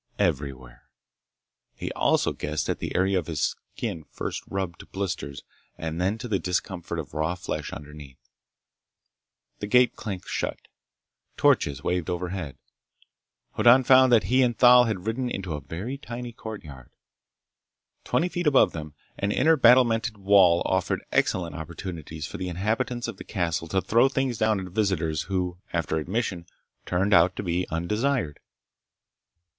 Everywhere. He also guessed at the area of his skin first rubbed to blisters and then to the discomfort of raw flesh underneath. The gate clanked shut. Torches waved overhead. Hoddan found that he and Thal had ridden into a very tiny courtyard. Twenty feet above them, an inner battlemented wall offered excellent opportunities for the inhabitants of the castle to throw things down at visitors who after admission turned out to be undesired.